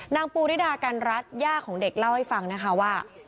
ปูริดากันรัฐย่าของเด็กเล่าให้ฟังนะคะว่า